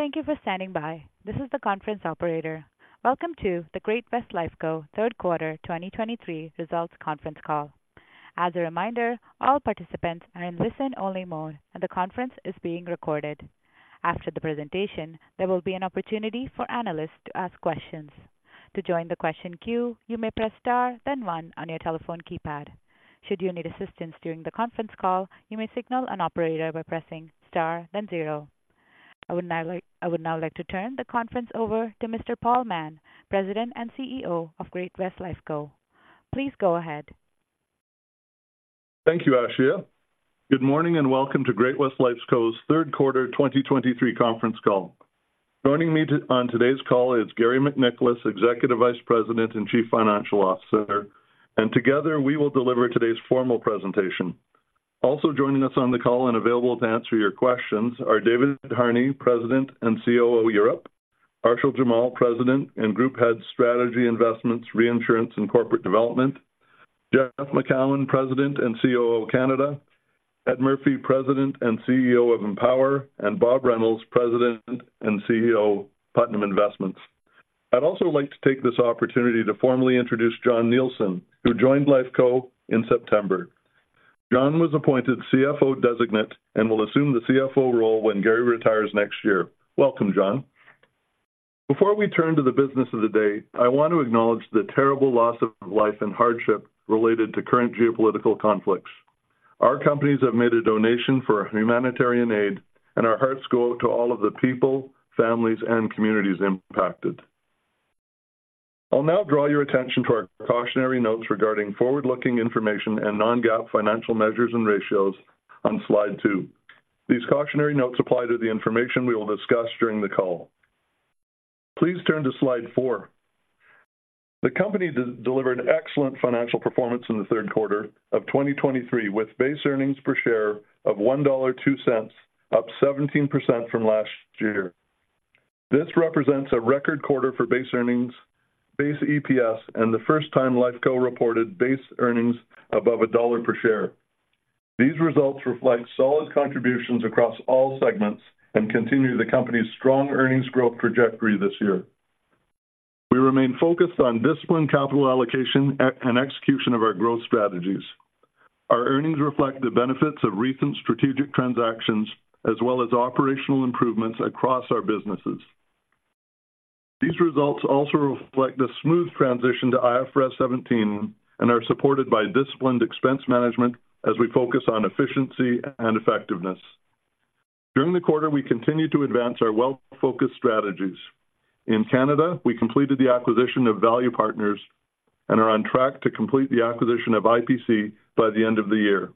Thank you for standing by. This is the conference operator. Welcome to the Great-West Lifeco Third Quarter 2023 Results Conference Call. As a reminder, all participants are in listen-only mode, and the conference is being recorded. After the presentation, there will be an opportunity for analysts to ask questions. To join the question queue, you may press Star, then one on your telephone keypad. Should you need assistance during the conference call, you may signal an operator by pressing Star, then zero. I would now like to turn the conference over to Mr. Paul Mahon, President and CEO of Great-West Lifeco. Please go ahead. Thank you, Ashia. Good morning, and welcome to Great-West Lifeco's Third Quarter 2023 Conference Call. Joining me on today's call is Garry MacNicholas, Executive Vice President and Chief Financial Officer, and together, we will deliver today's formal presentation. Also joining us on the call and available to answer your questions are David Harney, President and COO, Europe; Arshil Jamal, President and Group Head, Strategy, Investments, Reinsurance, and Corporate Development; Jeff Macoun, President and COO, Canada; Ed Murphy, President and CEO of Empower; and Bob Reynolds, President and CEO, Putnam Investments. I'd also like to take this opportunity to formally introduce Jon Nielsen, who joined Lifeco in September. Jon was appointed CFO designate and will assume the CFO role when Gary retires next year. Welcome, Jon Before we turn to the business of the day, I want to acknowledge the terrible loss of life and hardship related to current geopolitical conflicts. Our companies have made a donation for humanitarian aid, and our hearts go out to all of the people, families, and communities impacted. I'll now draw your attention to our cautionary notes regarding forward-looking information and non-GAAP financial measures and ratios on slide two. These cautionary notes apply to the information we will discuss during the call. Please turn to slide four. The company delivered excellent financial performance in the third quarter of 2023, with base earnings per share of 1.02 dollar, up 17% from last year. This represents a record quarter for base earnings, base EPS, and the first time Lifeco reported base earnings above CAD 1 per share. These results reflect solid contributions across all segments and continue the company's strong earnings growth trajectory this year. We remain focused on disciplined capital allocation at, and execution of our growth strategies. Our earnings reflect the benefits of recent strategic transactions, as well as operational improvements across our businesses. These results also reflect the smooth transition to IFRS 17 and are supported by disciplined expense management as we focus on efficiency and effectiveness. During the quarter, we continued to advance our wealth-focused strategies. In Canada, we completed the acquisition of Value Partners and are on track to complete the acquisition of IPC by the end of the year.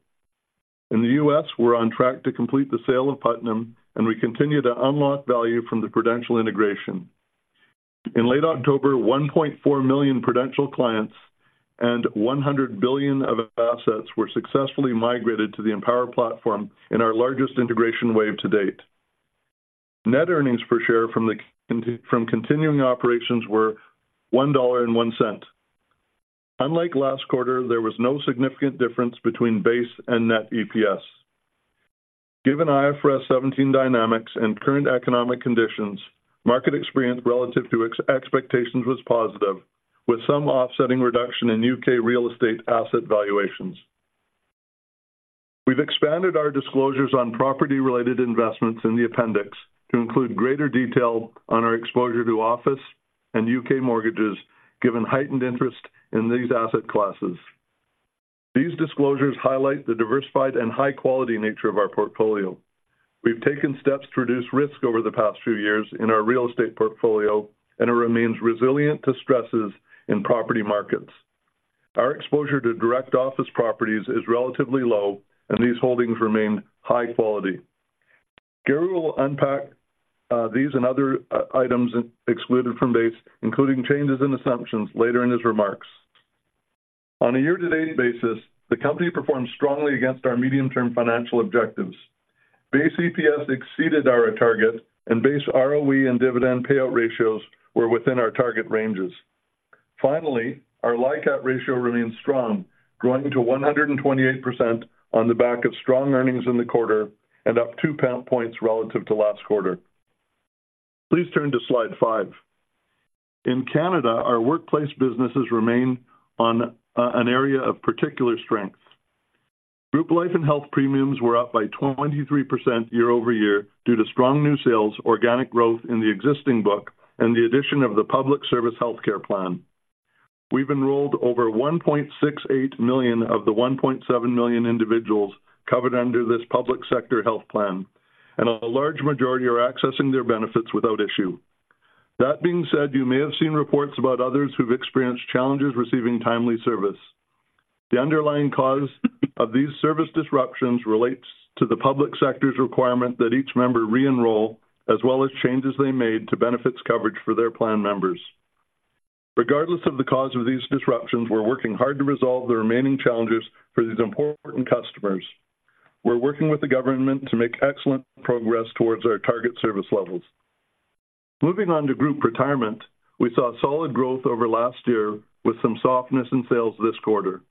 In the U.S., we're on track to complete the sale of Putnam, and we continue to unlock value from the Prudential integration. In late October, 1.4 million Prudential clients and $100 billion of assets were successfully migrated to the Empower platform in our largest integration wave to date. Net earnings per share from continuing operations were $1.01. Unlike last quarter, there was no significant difference between base and net EPS. Given IFRS 17 dynamics and current economic conditions, market experience relative to expectations was positive, with some offsetting reduction in U.K. real estate asset valuations. We've expanded our disclosures on property-related investments in the appendix to include greater detail on our exposure to office and U.K. mortgages, given heightened interest in these asset classes. These disclosures highlight the diversified and high-quality nature of our portfolio. We've taken steps to reduce risk over the past few years in our real estate portfolio, and it remains resilient to stresses in property markets. Our exposure to direct office properties is relatively low, and these holdings remain high quality. Garry will unpack these and other items excluded from base, including changes in assumptions in later in his remarks. On a year-to-date basis, the company performed strongly against our medium-term financial objectives. Base EPS exceeded our target, and base ROE and dividend payout ratios were within our target ranges. Finally, our LICAT ratio remains strong, growing to 128% on the back of strong earnings in the quarter and up two percentage points relative to last quarter. Please turn to slide five. In Canada, our workplace businesses remain on an area of particular strength. Group life and health premiums were up by 23% year-over-year due to strong new sales, organic growth in the existing book, and the addition of the Public Service Healthcare Plan. We've enrolled over 1.68 million of the 1.7 million individuals covered under this public sector health plan, and a large majority are accessing their benefits without issue. That being said, you may have seen reports about others who've experienced challenges receiving timely service. The underlying cause of these service disruptions relates to the public sector's requirement that each member re-enroll, as well as changes they made to benefits coverage for their plan members. Regardless of the cause of these disruptions, we're working hard to resolve the remaining challenges for these important customers. We're working with the government to make excellent progress towards our target service levels.... Moving on to group retirement, we saw solid growth over last year with some softness in sales this quarter.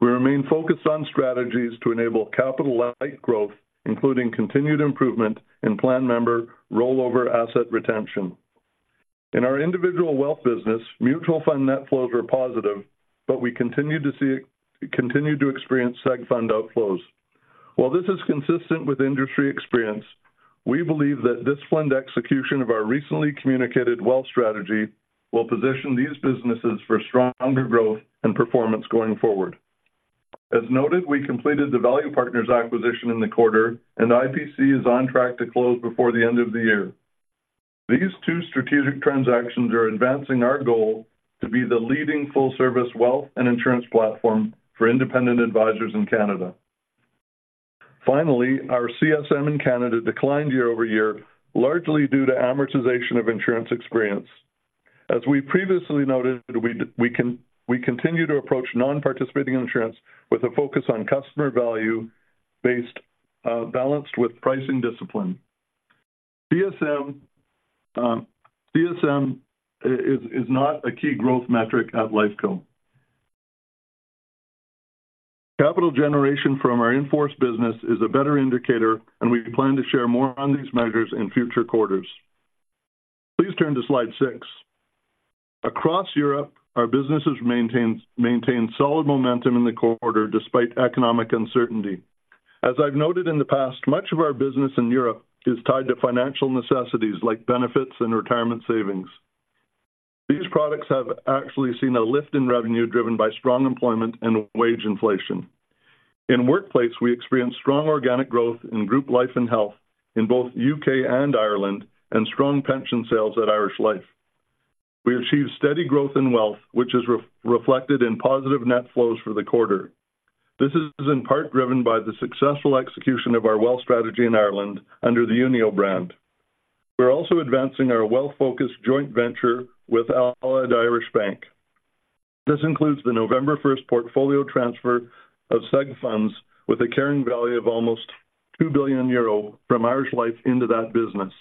We remain focused on strategies to enable capital-light growth, including continued improvement in plan member rollover asset retention. In our individual wealth business, mutual fund net flows were positive, but we continue to experience seg fund outflows. While this is consistent with industry experience, we believe that this planned execution of our recently communicated wealth strategy will position these businesses for stronger growth and performance going forward. As noted, we completed the Value Partners acquisition in the quarter, and IPC is on track to close before the end of the year. These two strategic transactions are advancing our goal to be the leading full-service wealth and insurance platform for independent advisors in Canada. Finally, our CSM in Canada declined year-over-year, largely due to amortization of insurance experience. As we previously noted, we continue to approach non-participating insurance with a focus on customer value-based, balanced with pricing discipline. CSM, CSM is not a key growth metric at Lifeco. Capital generation from our in-force business is a better indicator, and we plan to share more on these measures in future quarters. Please turn to slide six. Across Europe, our businesses maintain solid momentum in the quarter despite economic uncertainty. As I've noted in the past, much of our business in Europe is tied to financial necessities like benefits and retirement savings. These products have actually seen a lift in revenue, driven by strong employment and wage inflation. In the workplace, we experienced strong organic growth in group life and health in both U.K. and Ireland, and strong pension sales at Irish Life. We achieved steady growth in wealth, which is reflected in positive net flows for the quarter. This is in part driven by the successful execution of our wealth strategy in Ireland under the Unio brand. We're also advancing our wealth-focused joint venture with AIB Irish Bank. This includes the November 1st portfolio transfer of seg funds with a carrying value of almost 2 billion euro from Irish Life into that business.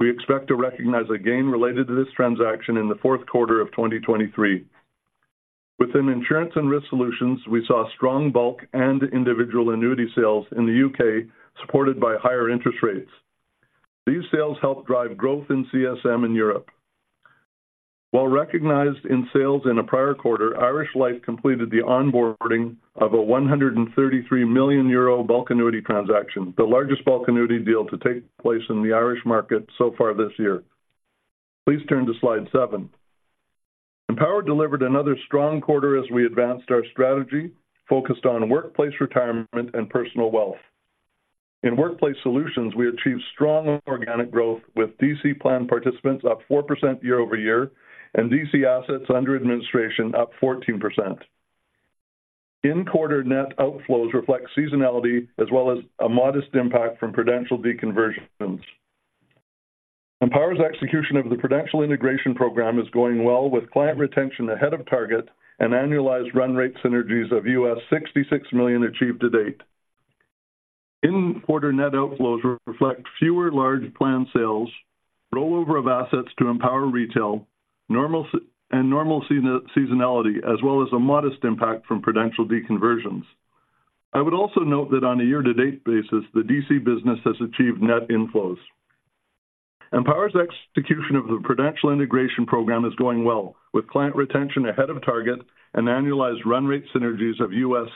We expect to recognize a gain related to this transaction in the fourth quarter of 2023. Within insurance and risk solutions, we saw strong bulk and individual annuity sales in the U.K., supported by higher interest rates. These sales helped drive growth in CSM in Europe. While recognized in sales in a prior quarter, Irish Life completed the onboarding of a 133 million euro bulk annuity transaction, the largest bulk annuity deal to take place in the Irish market so far this year. Please turn to slide seven. Empower delivered another strong quarter as we advanced our strategy, focused on workplace retirement and personal wealth. In workplace solutions, we achieved strong organic growth, with DC plan participants up 4% year-over-year, and DC assets under administration up 14%. In the quarter, the net outflows reflect seasonality as well as a modest impact from Prudential deconversions. Empower's execution of the Prudential integration program is going well, with client retention ahead of target and annualized run rate synergies of $66 million achieved to date. In quarter, net outflows reflect fewer large plan sales, rollover of assets to Empower Retail, normal seasonality, as well as a modest impact from Prudential deconversions. I would also note that on a year-to-date basis, the DC business has achieved net inflows. Empower's execution of the Prudential integration program is going well, with client retention ahead of target and annualized run rate synergies of $66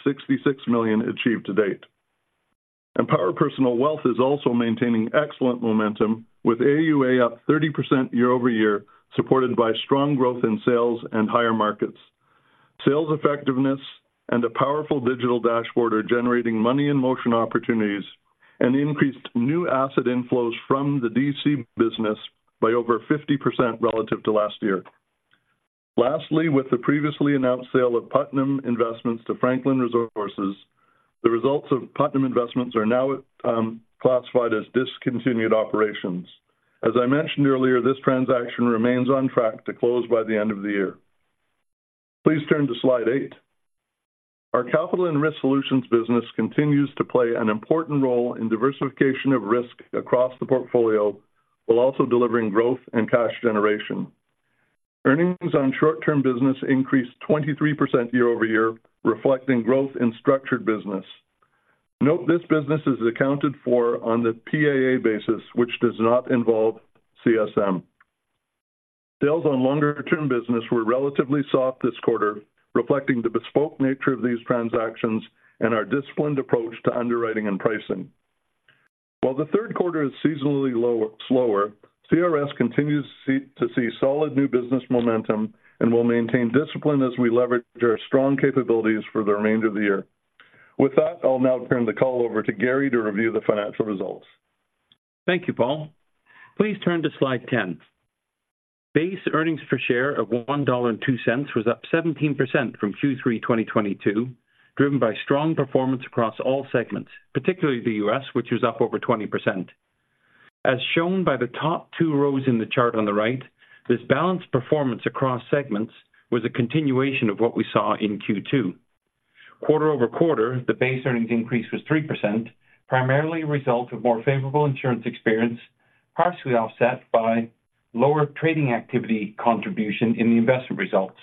million achieved to date. Empower Personal Wealth is also maintaining excellent momentum, with AUA up 30% year-over-year, supported by strong growth in sales and higher markets. Sales effectiveness and a powerful digital dashboard are generating money in motion opportunities and increased new asset inflows from the DC business by over 50% relative to last year. Lastly, with the previously announced sale of Putnam Investments to Franklin Resources, the results of Putnam Investments are now classified as discontinued operations. As I mentioned earlier, this transaction remains on track to close by the end of the year. Please turn to slide eight the. Our Capital and Risk Solutions business continues to play an important role in diversification of risk across the portfolio, while also delivering growth and cash generation. Earnings on short-term business increased 23% year-over-year, reflecting growth in structured business. Note, this business is accounted for on the PAA basis, which does not involve CSM. Sales on longer-term business were relatively soft this quarter, reflecting the bespoke nature of these transactions and our disciplined approach to underwriting and pricing. While the third quarter is seasonally lower and slower, CRS continues to see solid new business momentum and will maintain discipline as we leverage our strong capabilities for the remainder of the year. With that, I'll now turn the call over to Gary to review the financial results. Thank you, Paul. Please turn to slide 10. Base earnings per share of 1.02 dollar was up 17% from Q3 2022, driven by strong performance across all segments, particularly the U.S., which was up over 20%. As shown by the top two rows in the chart on the right, this balanced performance across segments was a continuation of what we saw in Q2. Quarter-over-quarter, the base earnings increase was 3%, primarily a result of more favorable insurance experience, partially offset by lower trading activity contribution in the investment results.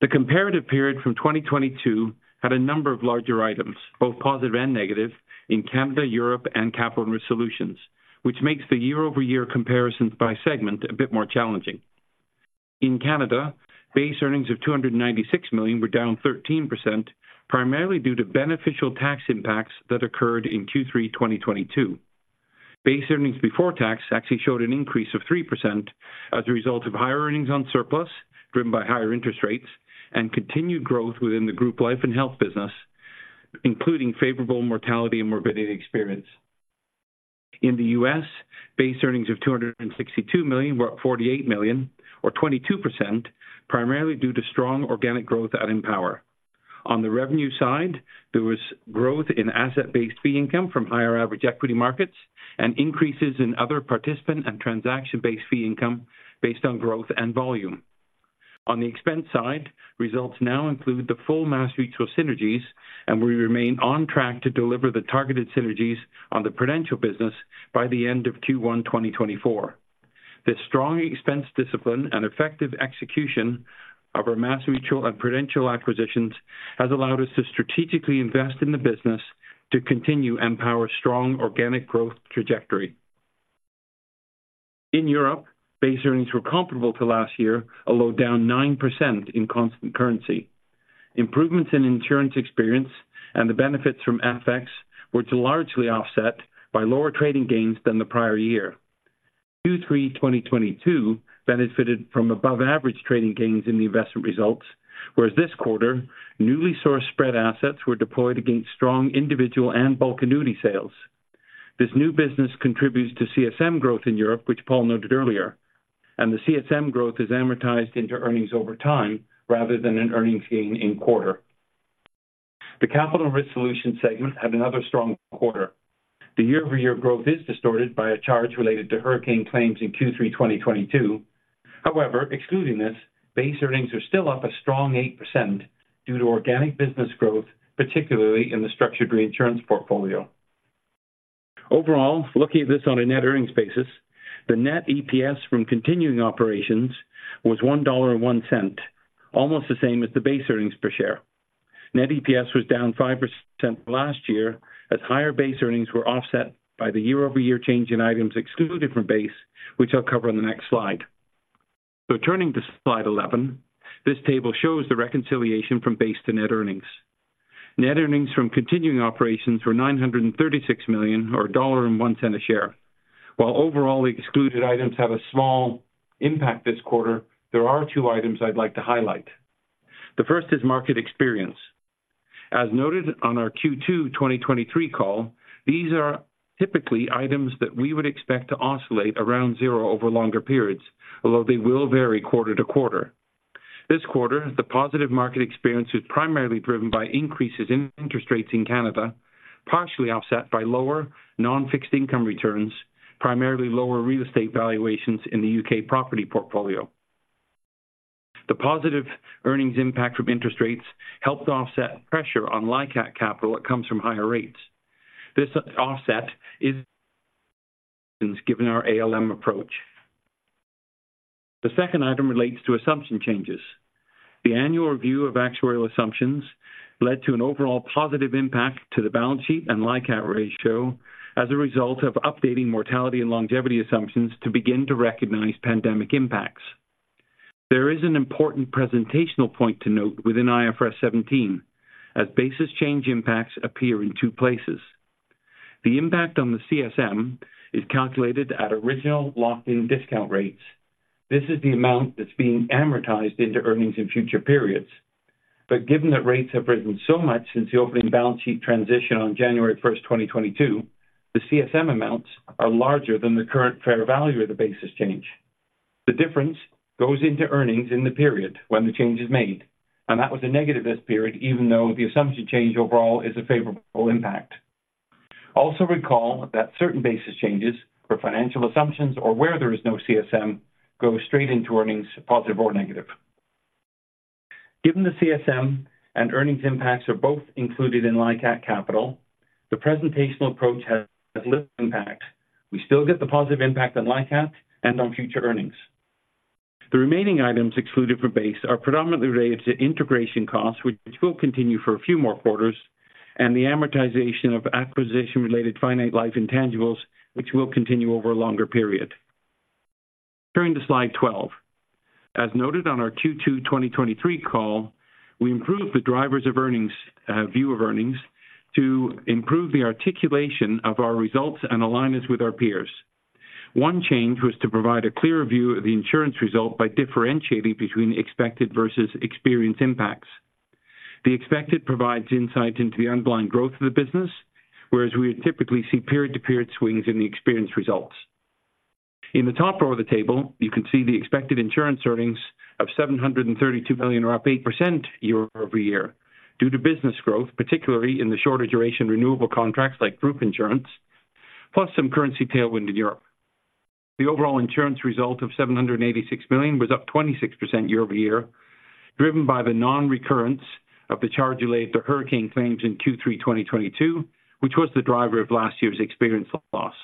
The comparative period from 2022 had a number of larger items, both positive and negative, in Canada, Europe, and Capital Solutions, which makes the year-over-year comparisons by segment a bit more challenging. In Canada, base earnings of 296 million were down 13%, primarily due to beneficial tax impacts that occurred in Q3 2022. Base earnings before tax actually showed an increase of 3% as a result of higher earnings on surplus, driven by higher interest rates and continued growth within the group life and health business, including favorable mortality and morbidity experience. In the U.S., base earnings of 262 million were up 48 million or 22%, primarily due to strong organic growth at Empower. On the revenue side, there was growth in asset-based fee income from higher average equity markets and increases in other participant and transaction-based fee income based on growth and volume. On the expense side, results now include the full MassMutual synergies, and we remain on track to deliver the targeted synergies on the Prudential business by the end of Q1 2024. This strong expense discipline and effective execution of our MassMutual and Prudential acquisitions have allowed us to strategically invest in the business to continue Empower's strong organic growth trajectory. In Europe, base earnings were comparable to last year, although down 9% in constant currency. Improvements in insurance experience and the benefits from FX were above-average a largely offset by lower trading gains than the prior year. Q3 2022 benefited from above- average trading gains in the investment results, whereas this quarter, newly sourced spread assets were deployed against strong individual and bulk annuity sales. This new business contributes to CSM growth in Europe, which Paul noted earlier, and the CSM growth is amortized into earnings over time rather than an earnings gain in quarter. The capital risk solution segment had another strong quarter. The year-over-year growth is distorted by a charge related to hurricane claims in Q3 2022. However, excluding this, base earnings are still up a strong 8% due to organic business growth, particularly in the structured reinsurance portfolio. Overall, looking at this on a net earnings basis, the net EPS from continuing operations was 1.01 dollar, almost the same as the base earnings per share. Net EPS was down 5% last year, as higher base earnings were offset by the year-over-year change in items excluded from base, which I'll cover on the next slide. So, turning to slide 11, this table shows the reconciliation from base to net earnings. Net earnings from continuing operations were 936 million or CAD 1.01 per share. While overall, the excluded items have a small impact this quarter, there are two items I'd like to highlight. The first is market experience. As noted on our Q2 2023 call, these are typically items that we would expect to oscillate around zero over longer periods, although they will vary quarter to quarter. This quarter, the positive market experience was primarily driven by increases in interest rates in Canada, partially offset by lower non-fixed income returns, primarily lower real estate valuations in the U.K. property portfolio. The positive earnings impact from interest rates helped offset pressure on LICAT capital that comes from higher rates. This offset is given our ALM approach. The second item relates to assumption changes. The annual review of actuarial assumptions led to an overall positive impact to the balance sheet and LICAT ratio as a result of updating mortality and longevity assumptions to begin to recognize pandemic impacts. There is an important presentational point to note within IFRS 17, as basis change impacts appear in two places. The impact on the CSM is calculated at original locked-in discount rates. This is the amount that's being amortized into earnings in future periods. But given that rates have risen so much since the opening balance sheet transition on January 1st,, 2022, the CSM amounts are larger than the current fair value of the basis change. The difference goes into earnings in the period when the change is made, and that was a negative this period, even though the assumption change overall is a favorable impact. Also, recall that certain basis changes for financial assumptions or where there is no CSM, go straight into earnings, positive or negative. Given the CSM and earnings impacts are both included in LICAT capital, the presentational approach has less impact. We still get the positive impact on LICAT and on future earnings. The remaining items excluded for base are predominantly related to integration costs, which will continue for a few more quarters, and the amortization of acquisition-related finite life intangibles, which will continue over a longer period. Turning to slide 12. As noted on our Q2 2023 call, we improved the drivers of earnings, view of earnings to improve the articulation of our results and align us with our peers. One change was to provide a clearer view of the insurance result by differentiating between expected versus experienced impacts. The expected provides insight into the underlying growth of the business, whereas we would typically see period-to-period swings in the experienced results. In the top row of the table, you can see the expected insurance earnings of 732 million, or up 8% year-over-year, due to business growth, particularly in the shorter duration renewable contracts like group insurance, plus some currency tailwind in Europe. The overall insurance result of 786 million was up 26% year-over-year, driven by the non-recurrence of the charge related to hurricane claims in Q3 2022, which was the driver of last year's experience loss.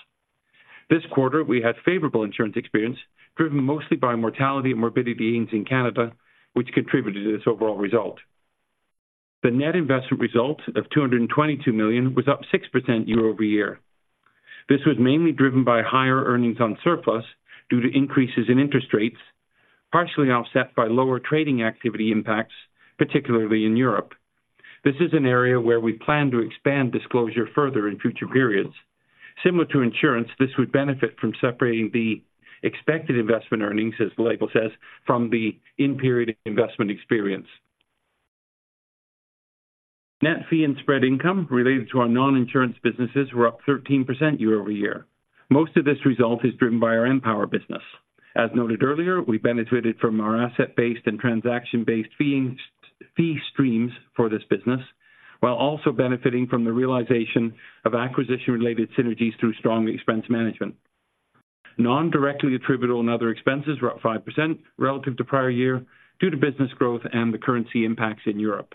This quarter, we had favorable insurance experience, driven mostly by mortality and morbidity gains in Canada, which contributed to this overall result. The net investment result of 222 million was up 6% year-over-year. This was mainly driven by higher earnings on surplus due to increases in interest rates, partially offset by lower trading activity impacts, particularly in Europe. This is an area where we plan to expand disclosure further in future periods. Similar to insurance, this would benefit from separating the expected investment earnings, as the label says, from the in-period investment experience. Net fee and spread income related to our non-insurance businesses were up 13% year-over-year. Most of this result is driven by our Empower business. As noted earlier, we benefited from our asset-based and transaction-based feeing, fee streams for this business, while also benefiting from the realization of acquisition-related synergies through strong expense management. Non-directly attributable and other expenses were up 5% relative to prior year due to business growth and the currency impacts in Europe.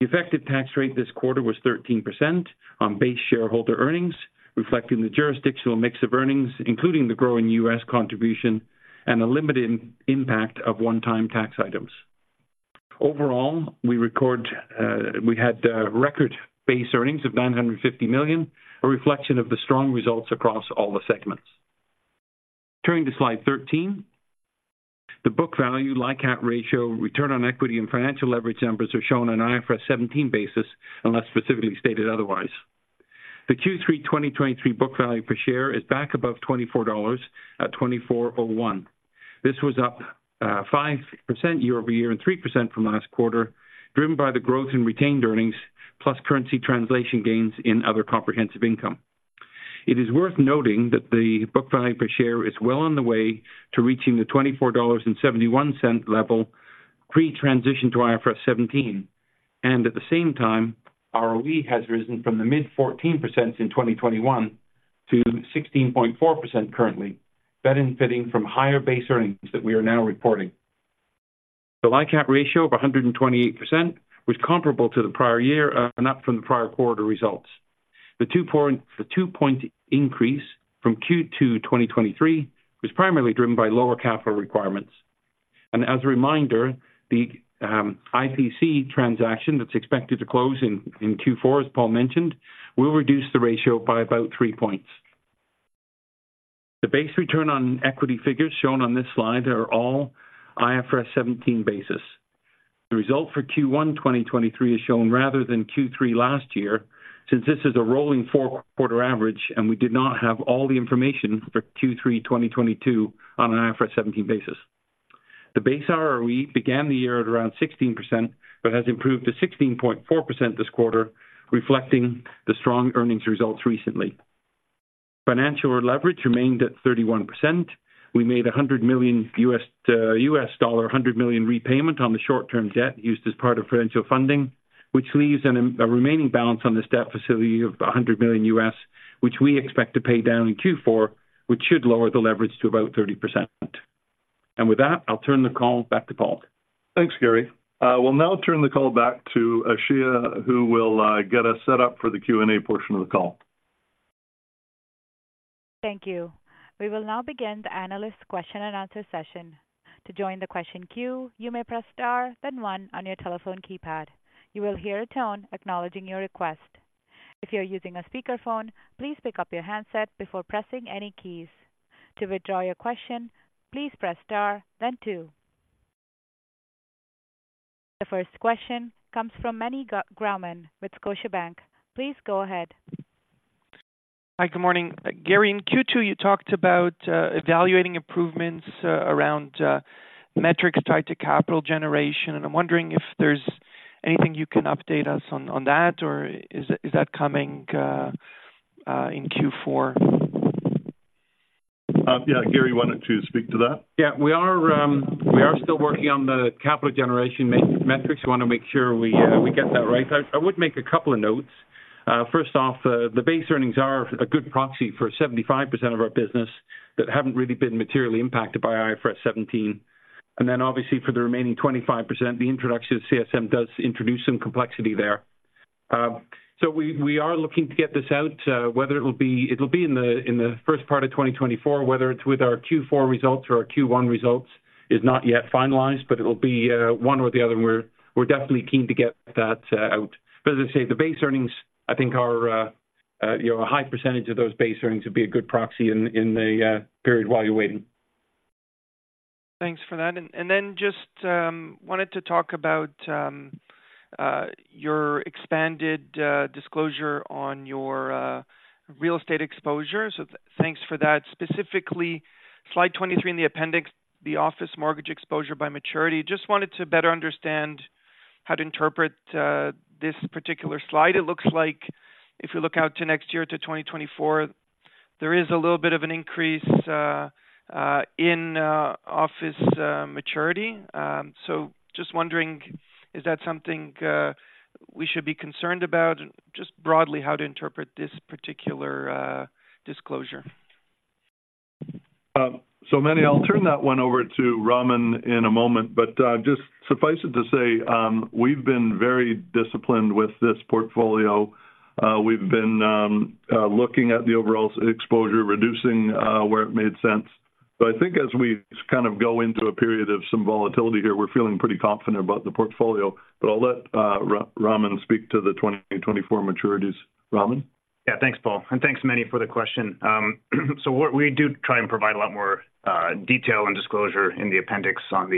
The effective tax rate this quarter was 13% on base shareholder earnings, reflecting the jurisdictional mix of earnings, including the growing U.S. contribution and a limited impact of one-time tax items. Overall, we had record-based earnings of 950 million, a reflection of the strong results across all the segments. Turning to slide 13, the book value, LICAT ratio, return on equity, and financial leverage numbers are shown on IFRS 17 basis, unless specifically stated otherwise. The Q3 2023 book value per share is back above 24 dollars at 24.01. This was up, 5% year-over-year and 3% from last quarter, driven by the growth in retained earnings, plus currency translation gains in other comprehensive income. It is worth noting that the book value per share is well on the way to reaching the 24.71 dollars level pre-transition to IFRS 17, and at the same time, ROE has risen from the mid-14% in 2021 to 16.4% currently, benefiting from higher base earnings that we are now reporting. The LICAT ratio of 128% was comparable to the prior year and up from the prior quarter results. The 2-point, the 2-point increase from Q2 2023 was primarily driven by lower capital requirements. As a reminder, the IPC transaction that's expected to close in Q4, as Paul mentioned, will reduce the ratio by about 3 points. The base return on equity figures shown on this slide are all IFRS 17 basis. The result for Q1 2023 is shown rather than Q3 last year, since this is a rolling four-quarter average, and we did not have all the information for Q3 2022 on an IFRS 17 basis. The base ROE began the year at around 16%, but has improved to 16.4% this quarter, reflecting the strong earnings results recently. Financial leverage remained at 31%. We made a $100 million repayment on the short-term debt used as part of financial funding, which leaves a remaining balance on this debt facility of $100 million, which we expect to pay down in Q4, which should lower the leverage to about 30%. And with that, I'll turn the call back to Paul. Thanks, Garry. We'll now turn the call back to Arshil, who will get us set up for the Q&A portion of the call. Thank you. We will now begin the analyst question and answer session. To join the question queue, you may press Star, then one on your telephone keypad. You will hear a tone acknowledging your request. If you are using a speakerphone, please pick up your handset before pressing any keys. To withdraw your question, please press Star then two. The first question comes from Meny Grauman with Scotiabank. Please go ahead. Hi, good morning. Garry, in Q2, you talked about evaluating improvements around metrics tied to capital generation, and I'm wondering if there's anything you can update us on that, or is that coming in Q4? Yeah, Garry, why don't you speak to that? Yeah, we are, we are still working on the capital generation metrics. We want to make sure we, we get that right. I, I would make a couple of notes. First off, the base earnings are a good proxy for 75% of our business that haven't really been materially impacted by IFRS 17, and then obviously for the remaining 25%, the introduction of CSM does introduce some complexity there. So we, we are looking to get this out, whether it will be. It'll be in the, in the first part of 2024, whether it's with our Q4 results or our Q1 results, is not yet finalized, but it'll be one or the other, and we're, we're definitely keen to get that out. As I say, the base earnings, I think, are, you know, a high percentage of those base earnings would be a good proxy in the period while you're waiting. Thanks for that. And then just wanted to talk about your expanded disclosure on your real estate exposure. So thanks for that. Specifically, slide 23 in the appendix, the office mortgage exposure by maturity. Just wanted to better understand how to interpret this particular slide. It looks like if you look out to next year, to 2024, there is a little bit of an increase in office maturity. So just wondering, is that something we should be concerned about? Just broadly, how to interpret this particular disclosure. So Meny, I'll turn that one over to Raman in a moment, but, just suffice it to say, we've been very disciplined with this portfolio. We've been looking at the overall exposure, reducing where it made sense. But I think as we kind of go into a period of some volatility here, we're feeling pretty confident about the portfolio. But I'll let Raman speak to the 2024 maturities. Raman? Yeah, thanks, Paul, and thanks, Meny, for the question. So what we do try and provide a lot more detail and disclosure in the appendix on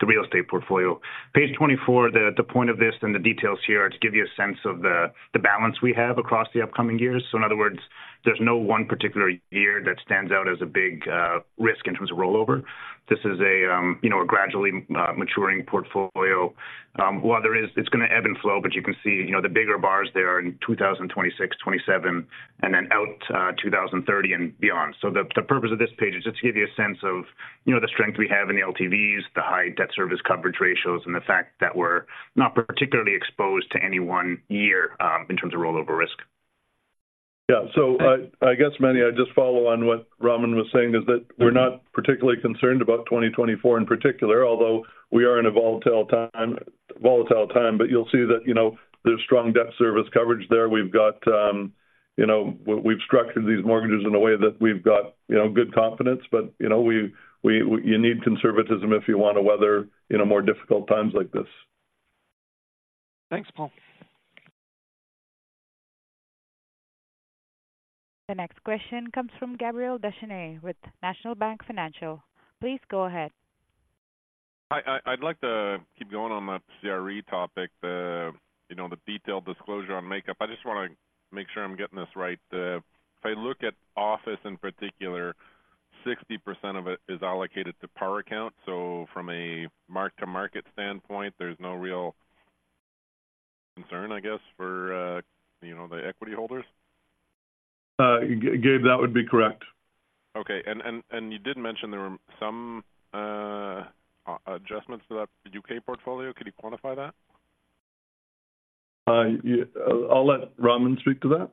the real estate portfolio. Page 24, the point of this and the details here are to give you a sense of the balance we have across the upcoming years. So, in other words, there's no one particular year that stands out as a big risk in terms of rollover. This is a you know, a gradually maturing portfolio. While there is... It's gonna ebb and flow, but you can see, you know, the bigger bars there are in 2026, 2027, and then out 2030 and beyond. So the purpose of this page is just to give you a sense of, you know, the strength we have in the LTVs, the high debt service coverage ratios, and the fact that we're not particularly exposed to any one year in terms of rollover risk. Yeah. So I guess, Manny, I'd just follow on what Raman was saying, is that we're not particularly concerned about 2024 in particular, although we are in a volatile time, volatile time. But you'll see that, you know, there's strong debt service coverage there. We've got, you know, we've structured these mortgages in a way that we've got, you know, good confidence, but, you know, we, you need conservatism if you want to weather, you know, more difficult times like this. Thanks, Paul. The next question comes from Gabriel Dechaine with National Bank Financial. Please go ahead. Hi, I'd like to keep going on the CRE topic, you know, the detailed disclosure on makeup. I just want to make sure I'm getting this right. If I look at office in particular, 60% of it is allocated to Par account. So from a mark-to-market standpoint, there's no real concern, I guess, for, you know, the equity holders? Gabe, that would be correct. Okay. And you did mention there were some adjustments to that, the U.K. portfolio. Could you quantify that? Yeah, I'll let Raman speak to that.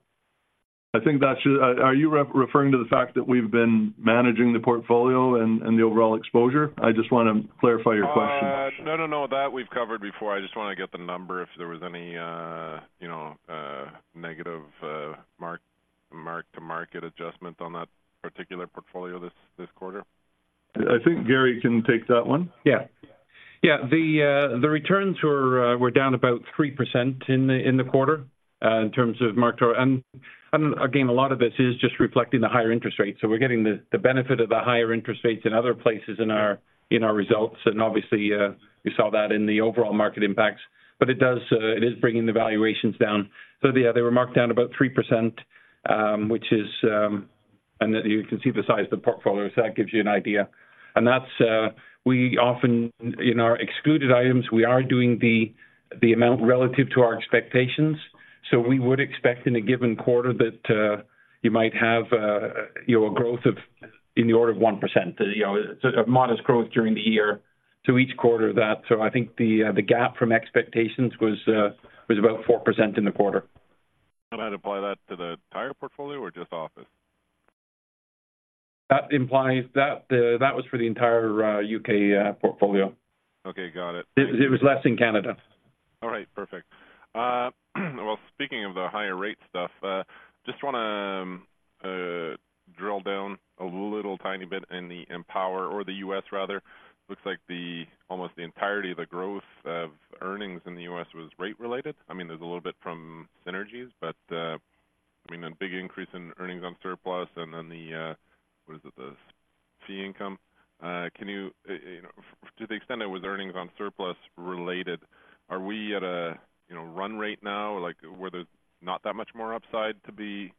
I think that should— Are you referring to the fact that we've been managing the portfolio and the overall exposure? I just want to clarify your question. No. That we've covered before. I just want to get the number, if there was any, you know, negative mark-to-market adjustment on that particular portfolio this quarter. I think Garry can take that one. Yeah. The returns were down about 3% in the quarter, in terms of mark to... And again, a lot of this is just reflecting the higher interest rates. So we're getting the benefit of the higher interest rates in other places in our results, and obviously, we saw that in the overall market impacts. But it does, it is bringing the valuations down. So yeah, they were marked down about 3%, which is... And you can see the size of the portfolio, so that gives you an idea. And that's, we often, in our excluded items, we are doing the amount relative to our expectations. So we would expect in a given quarter that you might have, you know, a growth of, in the order of 1%. You know, a modest growth during the year to each quarter that. So I think the gap from expectations was about 4% in the quarter. I'd apply that to the entire portfolio or just office? That implies that that was for the entire U.K. portfolio. Okay, got it. It was less in Canada. All right, perfect. Well, speaking of the higher rate stuff, just want to drill down a little tiny bit in the Empower, or the U.S. rather. Looks like almost the entirety of the growth of earnings in the U.S. was rate related. I mean, there's a little bit from synergies, but, I mean, a big increase in earnings on surplus and then the, what is it? The fee income. Can you, you know, to the extent that with earnings on surplus related, are we at a, you know, run rate now? Like, where there's not that much more upside to be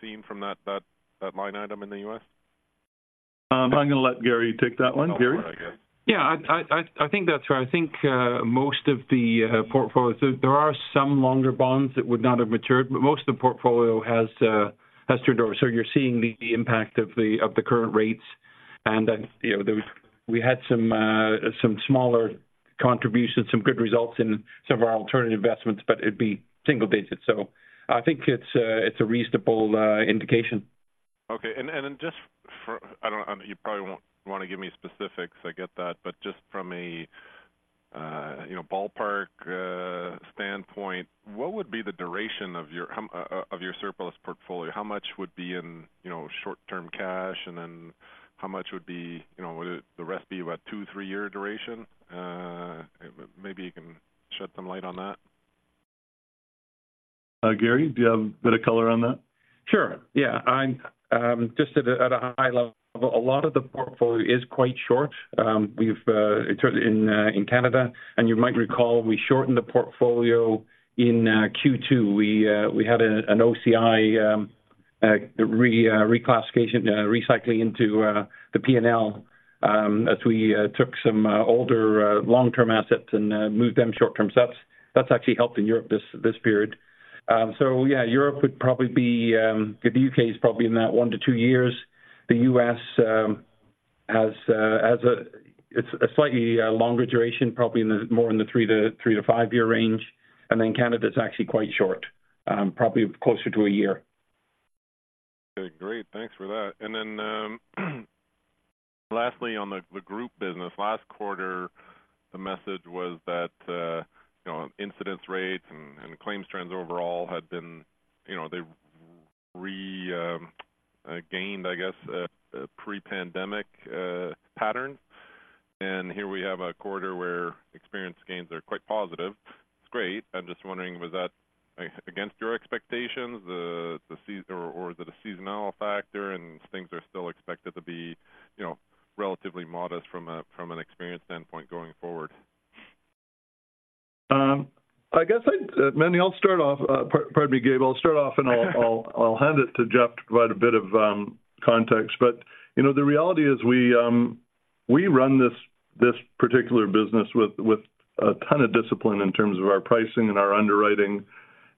seen from that, that, that line item in the U.S.? I'm going to let Garry take that one. Garry? Okay. Yeah, I think that's right. I think most of the portfolio. So there are some longer bonds that would not have matured, but most of the portfolio has turned over. So you're seeing the impact of the current rates. And then, you know, we had some smaller contributions, some good results in some of our alternative investments, but it'd be single digits. So I think it's a reasonable indication. Okay. And then, and just for... I don't know, you probably won't want to give me specifics, I get that, but just from a, you know, ballpark, standpoint, what would be the duration of your, of your surplus portfolio? How much would be in, you know, short-term cash, and then how much would be, you know, would it, the rest be about two-three-year duration? Maybe you can shed some light on that. Garry, do you have a bit of color on that? Sure, yeah. I'm just at a high level, a lot of the portfolio is quite short. We've in Canada, and you might recall, we shortened the portfolio in Q2. We had an OCI reclassification recycling into the PNL as we took some older long-term assets and moved them short-term assets. That's actually helped in Europe this period. So yeah, Europe would probably be, the U.K. is probably in that one-two years. The U.S. has a, it's a slightly longer duration, probably more in the three-five-year range, and then Canada is actually quite short, probably closer to a year. Okay, great. Thanks for that. And then, lastly, on the group business. Last quarter, the message was that, you know, incidence rates and claims trends overall had been, you know, they've regained, I guess, a pre-pandemic pattern. And here we have a quarter where experience gains are quite positive. It's great. I'm just wondering, was that against your expectations, the seasonal or is it a seasonal factor and things are still expected to be, you know, relatively modest from an experience standpoint going forward? I guess I'd start off, Manny. Pardon me, Gabe, I'll start off, and I'll hand it to Jeff to provide a bit of context. But, you know, the reality is we run this particular business with a ton of discipline in terms of our pricing and our underwriting.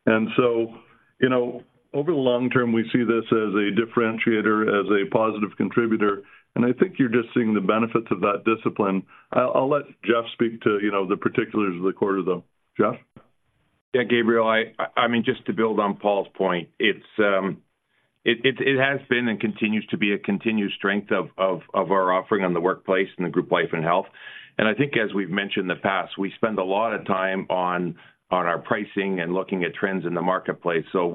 And so, you know, over the long term, we see this as a differentiator, as a positive contributor, and I think you're just seeing the benefits of that discipline. I'll let Jeff speak to, you know, the particulars of the quarter, though. Jeff? Yeah, Gabriel, I mean, just to build on Paul's point, it has been and continues to be a continued strength of our offering in the workplace in the Group Life and Health. And I think as we've mentioned in the past, we spend a lot of time on our pricing and looking at trends in the marketplace. So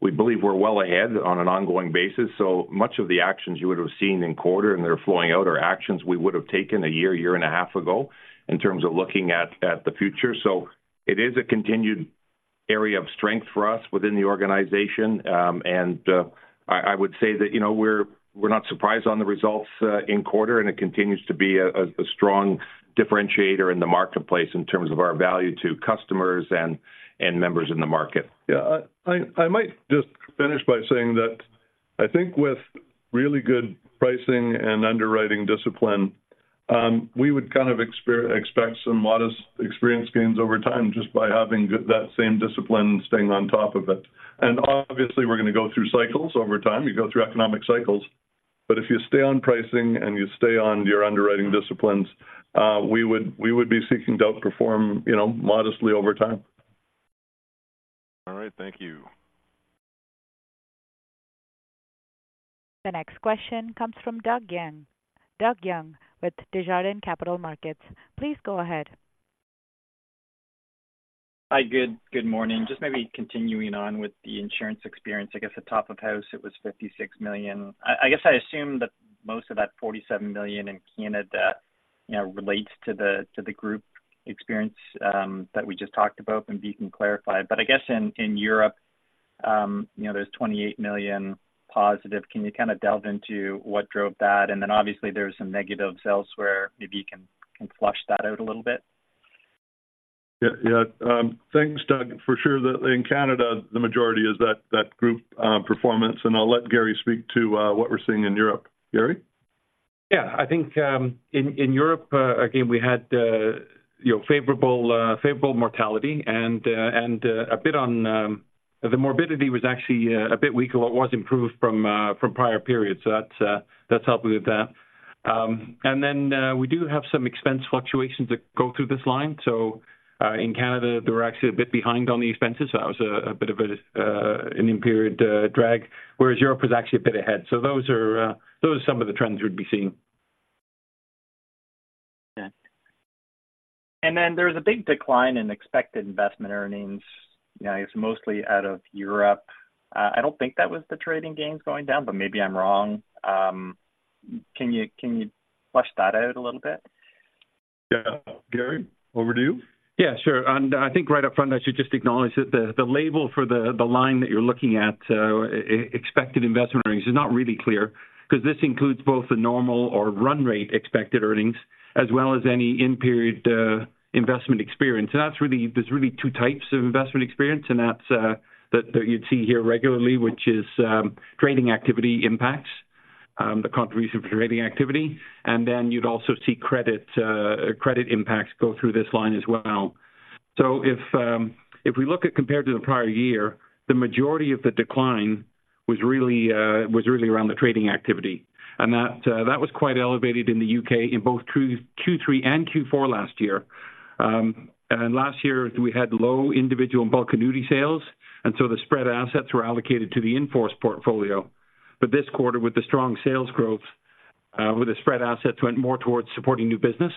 we believe we're well ahead on an ongoing basis. So much of the actions you would have seen in quarter and that are flowing out are actions we would have taken a year and a half ago in terms of looking at the future. So it is a continued area of strength for us within the organization. I wthe ould say that, you know, we're not surprised on the results in quarter, and it continues to be a strong differentiator in the marketplace in terms of our value to customers and members in the market. Yeah, I might just finish by saying that I think with really good pricing and underwriting discipline, we would kind of expect some modest experience gains over time just by having that same discipline staying on top of it. And obviously, we're going to go through cycles over time. You go through economic cycles. But if you stay on pricing and you stay on your underwriting disciplines, we would be seeking to outperform, you know, modestly over time. All right. Thank you. The next question comes from Doug Young. Doug Young with Desjardins Capital Markets, please go ahead. Hi, good morning. Just maybe continuing on with the insurance experience. I guess, at top of house, it was 56 million. I guess I assume that most of that 47 million in Canada, you know, relates to the group experience that we just talked about, and if you can clarify. But I guess in Europe, you know, there's 28 million positive. Can you kind of delve into what drove that? And then obviously, there's some negatives elsewhere. Maybe you can flush that out a little bit. Yeah, yeah. Thanks, Doug. For sure, in Canada, the majority is that group performance, and I'll let Garry speak to what we're seeing in Europe. Garry? Yeah, I think in Europe, again, we had you know, favorable mortality and a bit on the morbidity was actually a bit weaker, but was improved from prior periods. So that's helped with that. And then we do have some expense fluctuations that go through this line. So in Canada, they were actually a bit behind on the expenses, so that was a bit of an in-period drag, whereas Europe was actually a bit ahead. So those are some of the trends we'd be seeing. Yeah. And then there was a big decline in expected investment earnings, you know, I guess mostly out of Europe. I don't think that was the trading gains going down, but maybe I'm wrong. Can you, can you flesh that out a little bit? Yeah. Garry, over to you. Yeah, sure. And I think right up front, I should just acknowledge that the label for the line that you're looking at, expected investment earnings, is not really clear. Because this includes both the normal or run rate expected earnings, as well as any in-period investment experience. So that's really, there's really two types of investment experience, and that's that you'd see here regularly, which is, trading activity impacts, the contribution from trading activity, and then you'd also see credit, credit impacts go through this line as well. So if we look atcompared to the prior year, the majority of the decline was really, was really around the trading activity. And that was quite elevated in the U.K. in both Q3 and Q4 last year. Last year, we had low individual and Bulk Annuity sales, and so the spread assets were allocated to the in-force portfolio. But this quarter, with the strong sales growth, with the spread assets went more towards supporting new business.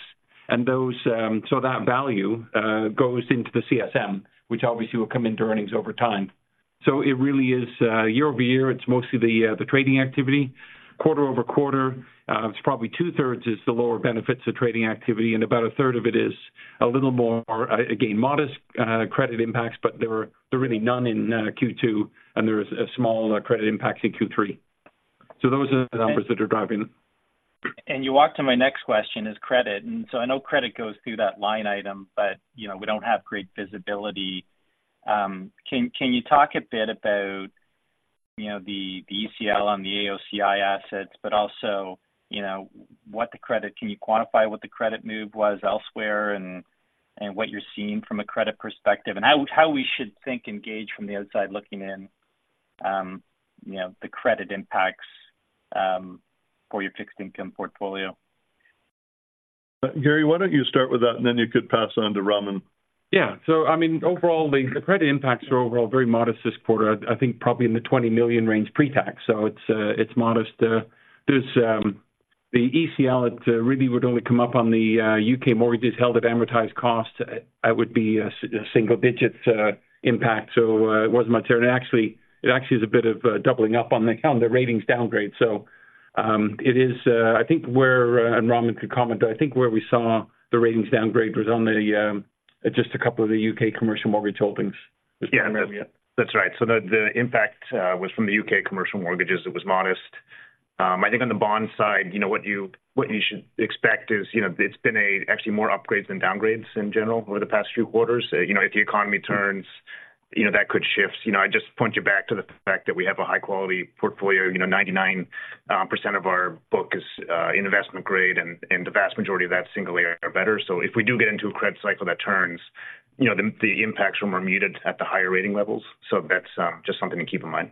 And those, so that value, goes into the CSM, which obviously will come into earnings over time. So it really is, year-over-year, it's mostly the, the trading activity. Quarter-over-quarter, it's probably two-thirds is the lower benefits of trading activity, and about a third of it is a little more, again, modest, credit impacts, but there were really none in Q2, and there was a small credit impactit in Q3. So those are the numbers that are driving. You walked to my next question, is credit. And so I know credit goes through that line item, but, you know, we don't have great visibility. Can you talk a bit about, you know, the ECL on the AOCI assets, but also, you know, what the credit—can you quantify what the credit move was elsewhere, and what you're seeing from a credit perspective? And how we should think and gauge from the outside looking in? You know, the credit impacts for your fixed income portfolio? Garry, why don't you start with that, and then you could pass on to Raman? Yeah. So I mean, overall, the credit impacts are ;very modest this quarter. I think probably in the 20 million range pre-tax. So it's modest. There's the ECL, it really would only come up on the U.K. mortgages held at amortized costs. That would be a single digits impact, so it wasn't much there. And actually, it actually is a bit of doubling up on the count, the ratings downgrade. So it is, I think where and Raman could comment, I think where we saw the ratings downgrade was on the just a couple of the U.K. commercial mortgage holdings. Yeah, that's right. So the impact was from the U.K. commercial mortgages. It was modest. I think on the bond side, you know, what you should expect is, you know, it's been actually more upgrades than downgrades in general over the past few quarters. You know, if the economy turns, you know, that could shift. You know, I just point you back to the fact that we have a high-quality portfolio. You know, 99% of our book is investment grade, and the vast majority of that, single-A or better. So if we do get into a credit cycle that turns, you know, the impacts are more muted at the higher rating levels. So that's just something to keep in mind.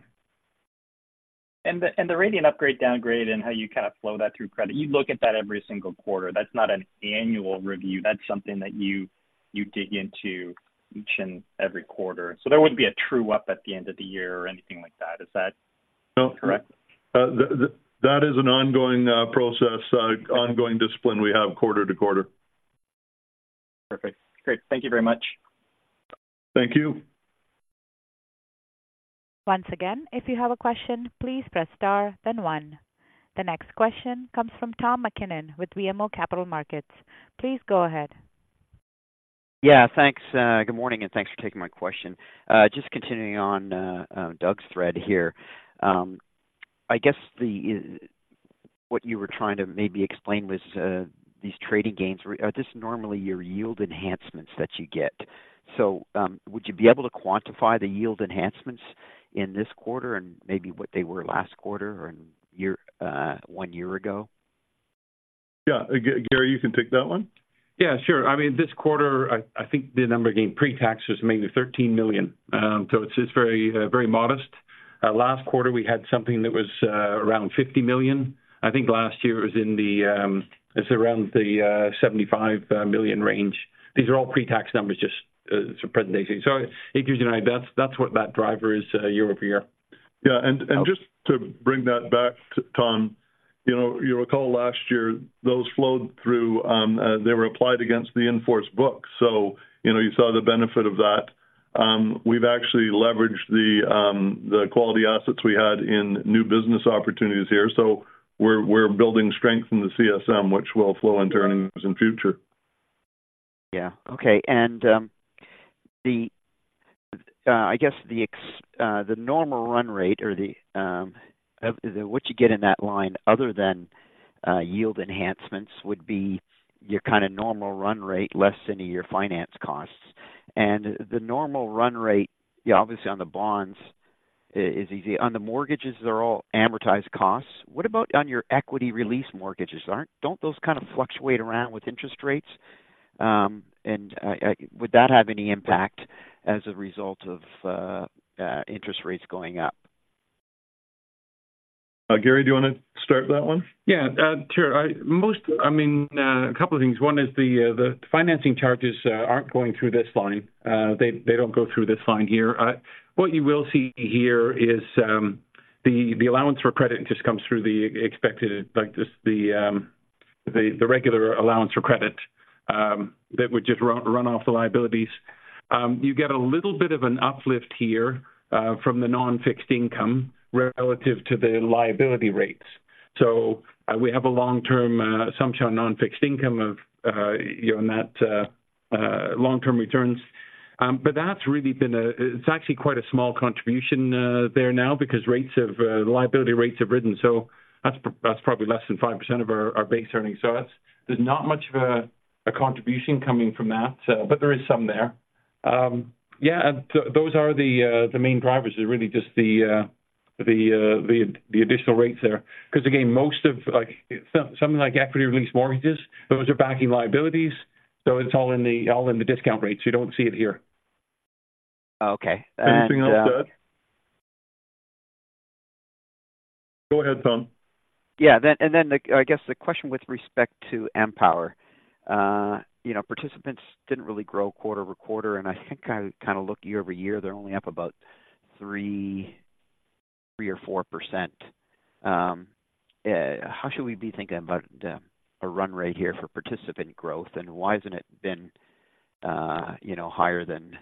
And the rating upgrade, downgrade, and how you kind of flow that through credit. You look at that every single quarter. That's not an annual review. That's something that you dig into each and every quarter. So there would be a true-up at the end of the year or anything like that. Is that- No. Correct? That is an ongoing process, ongoing discipline we have quarter to quarter. Perfect. Great. Thank you very much. Thank you. Once again, if you have a question, please press Star, then One. The next question comes from Tom MacKinnon with BMO Capital Markets. Please go ahead. Yeah, thanks, good morning, and thanks for taking my question. Just continuing on, Doug's thread here. I guess the, what you were trying to maybe explain was, these trading gains. Are this normally your yield enhancements that you get? So, would you be able to quantify the yield enhancements in this quarter and maybe what they were last quarter and year, one year ago? Yeah. Garry, you can take that one. Yeah, sure. I mean, this quarter, I think the number gain pre-tax was mainly 13 million. So it's very modest. Last quarter, we had something that was around 50 million. I think last year it was in the, it's around the 75 million range. These are all pre-tax numbers, just for presentation. So it gives you an idea. That's what that driver is year-over-year. Yeah, and just to bring that back, Tom, you know, you recall last year, those flowed through, they were applied against the in-force book. So, you know, you saw the benefit of that. We've actually leveraged the quality assets we had in new business opportunities here. So we're building strength in the CSM, which will flow into earnings in future. Yeah. Okay. And, the, I guess the normal run rate or the, what you get in that line other than yield enhancements would be your kind of normal run rate, less than your finance costs. And the normal run rate, yeah, obviously on the bonds is easy. On the mortgages, they're all amortized costs. What about on your Equity Release Mortgages, don't those kind of fluctuate around with interest rates? And, would that have any impact as a result of interest rates going up? Garry, do you want to start that one? Yeah, sure. Most, I mean, a couple of things. One is the financing charges aren't going through this line. They don't go through this line here. What you will see here is the allowance for credit just comes through the expected, like, just the regular allowance for credit that would just run off the liabilities. You get a little bit of an uplift here from the non-fixed income relative to the liability rates. So, we have a long-term assumption on non-fixed income of, you know, on that long-term returns. But that's really been a... It's actually quite a small contribution there now because rates have, liability rates have risen. So that's probably less than 5% of our base earnings. So that's, there's not much of a contribution coming from that, but there is some there. Yeah, and so those are the main drivers; it's really just the additional rates there. Because again, most of, like, some like Equity Release Mortgages, those are backing liabilities, so it's all in the discount rates. You don't see it here. Okay. Anything else to add? Go ahead, Tom. I guess the question with respect to Empower. You know, participants didn't really grow quarter-over-quarter, and I think I kind of look year-over-year, they're only up about 3 or 4%. How should we be thinking about a run rate here for participant growth, and why hasn't it been, you know, higher than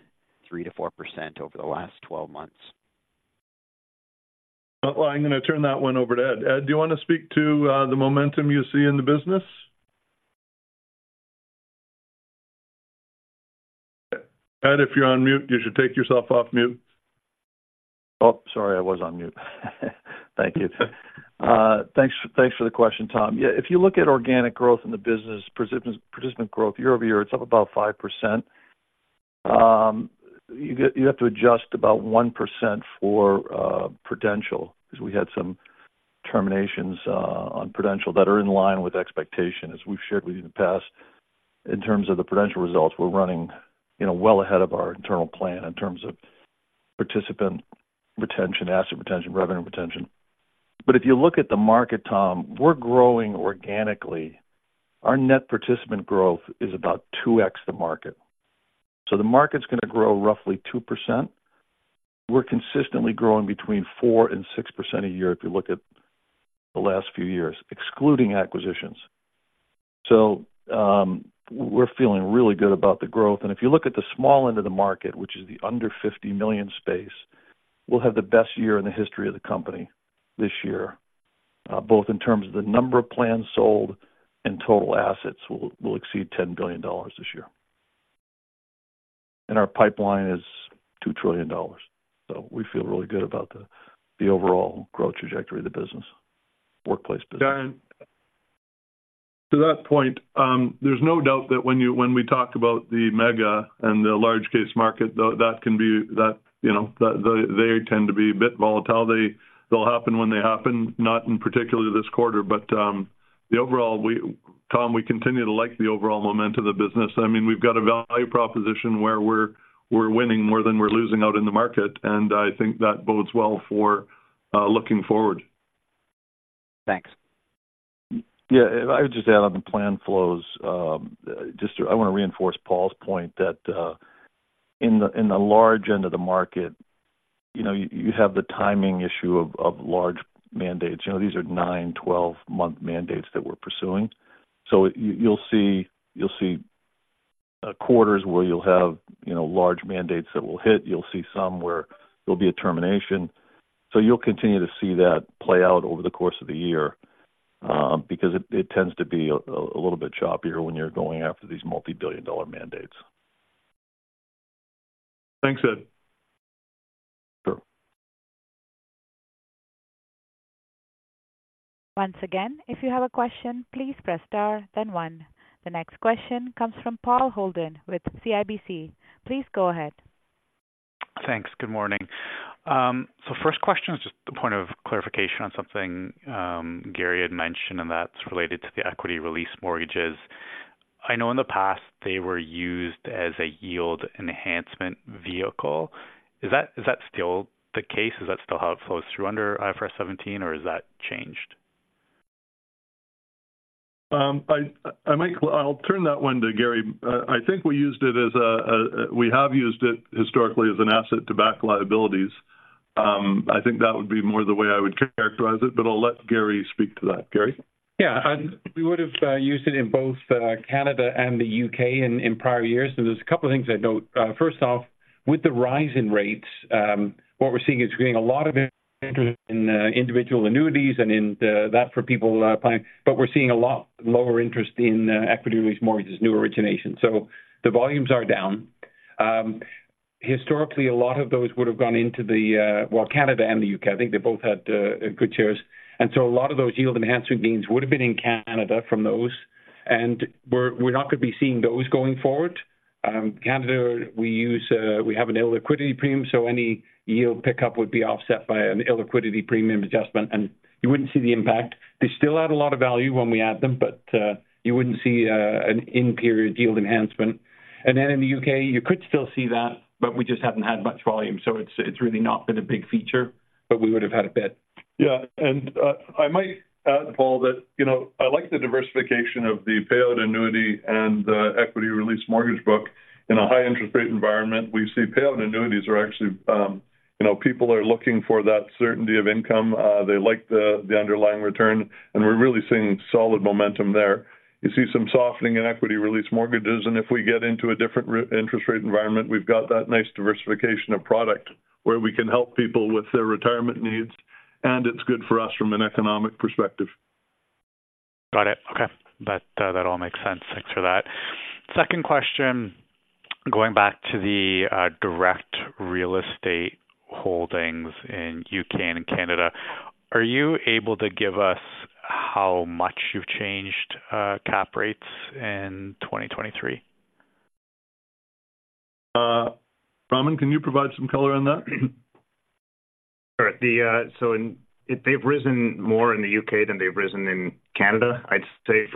3%-4% over the last twelve months? Well, I'm going to turn that one over to Ed. Ed, do you want to speak to the momentum you see in the business? Ed, if you're on mute, you should take yourself off mute. Oh, sorry, I was on mute. Thank you. Thanks for the question, Tom. Yeah, if you look at organic growth in the business, participant growth year-over-year, it's up about 5%. You have to adjust about 1% for Prudential, because we had some terminations on Prudential that are in line with expectation, as we've shared with you in the past.... in terms of the Prudential results, we're running, you know, well ahead of our internal plan in terms of participant retention, asset retention, revenue retention. But if you look at the market, Tom, we're growing organically. Our net participant growth is about 2x the market. So the market's gonna grow roughly 2%. We're consistently growing between 4%-6% a year if you look at the last few years, excluding acquisitions. So, we're feeling really good about the growth. And if you look at the small end of the market, which is the under $50 million space, we'll have the best year in the history of the company this year, both in terms of the number of plans sold and total assets will exceed $10 billion this year. And our pipeline is $2 trillion. So we feel really good about the overall growth trajectory of the business, workplace business. Yeah, and to that point, there's no doubt that when we talk about the mega and the large case market, though, that can be, you know, they tend to be a bit volatile. They'll happen when they happen, not particularly in this quarter, but the overall, Tom, we continue to like the overall momentum of the business. I mean, we've got a value proposition where we're winning more than we're losing out in the market, and I think that bodes well for looking forward. Thanks. Yeah, I would just add on the plan flows, just to... I want to reinforce Paul's point, that, in the, in the large end of the market, you know, you, you have the timing issue of, of large mandates. You know, these are nine, 12-month mandates that we're pursuing. So you, you'll see, you'll see, quarters where you'll have, you know, large mandates that will hit. You'll see some where there'll be a termination. So you'll continue to see that play out over the course of the year, because it, it tends to be a, a little bit choppier when you're going after these multi-billion dollar mandates. Thanks, Ed. Sure. Once again, if you have a question, please press Star, then One. The next question comes from Paul Holden with CIBC. Please go ahead. Thanks. Good morning. First question is just a point of clarification on something, Garry had mentioned, and that's related to the equity release mortgages. I know in the past they were used as a yield enhancement vehicle. Is that, is that still the case? Is that still how it flows through under IFRS 17, or has that changed? I might, I'll turn that one to Gary. I think we used it as we have used it historically as an asset to back liabilities. I think that would be more the way I would characterize it, but I'll let Gary speak to that. Gary? Yeah, and we would have used it in both Canada and the U.K. in prior years. So there's a couple of things I'd note. First off, with the rise in rates, what we're seeing is creating a lot of interest in individual annuities and in the, that for people planning, but we're seeing a lot lower interest in Equity Release Mortgages, new origination. So the volumes are down. Historically, a lot of those would have gone into the, well, Canada and the U.K. I think they both had good shares. And so a lot of those yield enhancement means would have been in Canada from those, and we're not going to be seeing those going forward. Canada, we use, we have an illiquidity premium, so any yield pickup would be offset by an illiquidity premium adjustment, and you wouldn't see the impact. They still add a lot of value when we add them, but, you wouldn't see, an in-period yield enhancement. And then in the U.K., you could still see that, but we just haven't had much volume, so it's, it's really not been a big feature, but we would have had a bit. Yeah, and I might add, Paul, that, you know, I like the diversification of the payout annuity and equity release mortgage book. In a high interest rate environment, we see payout annuities are actually, you know, people are looking for that certainty of income. They like the underlying return, and we're really seeing solid momentum there. You see some softening in equity release mortgages, and if we get into a different interest rate environment, we've got that nice diversification of product where we can help people with their retirement needs, and it's good for us from an economic perspective. Got it. Okay. That, that all makes sense. Thanks for that. Second question, going back to the, direct real estate holdings in U.K. and Canada, are you able to give us how much you've changed, cap rates in 2023? Raman, can you provide some color on that? Sure. They've risen more in the U.K. than they've risen in Canada. I'd say,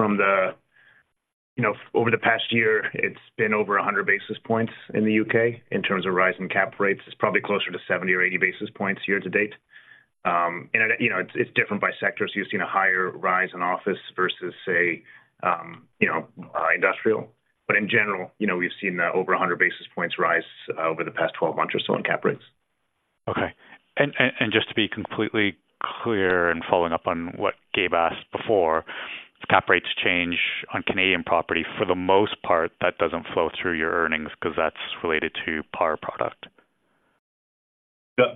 you know, over the past year, it's been over 100 basis points in the U.K. in terms of rising cap rates. It's probably closer to 70 or 80 basis points year to date. And, you know, it's different by sectors. You've seen a higher rise in office versus say, you know, industrial. But in general, you know, we've seen over 100 basis points rise over the past 12 months or so on cap rates. Okay. And just to be completely clear and following up on what Gabe asked before, if cap rates change on Canadian property, for the most part, that doesn't flow through your earnings because that's related to par product. Yeah.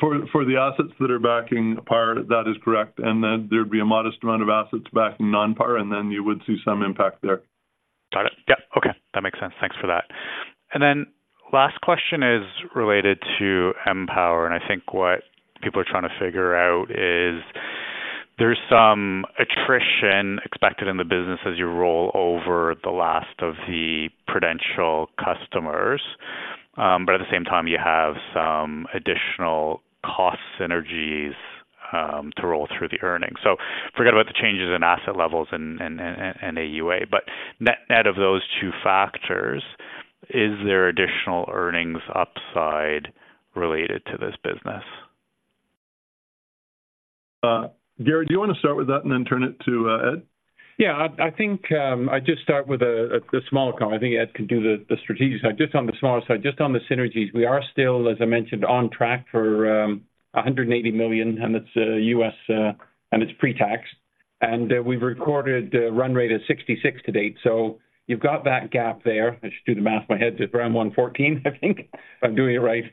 For the assets that are backing par, that is correct. And then there'd be a modest amount of assets backing non-par, and then you would see some impact there. Got it. Yeah. Okay, that makes sense. Thanks for that. And then last question is related to Empower, and I think what people are trying to figure out is there's some attrition expected in the business as you roll over the last of the Prudential customers.... but at the same time, you have some additional cost synergies to roll through the earnings. So forget about the changes in asset levels and AUA, but net of those two factors, is there additional earnings upside related to this business? Garry, do you want to start with that and then turn it to Ed? Yeah, I think I just start with the small account. I think Ed can do the strategic side, just on the smaller side, just on the synergies. We are still, as I mentioned, on track for $180 million, and it's US and it's pretax. And we've recorded the run rate of $66 million to date, so you've got that gap there. I should do the math in my head. It's around $114 million, I think, if I'm doing it right.